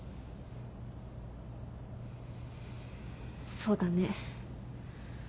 そうだね。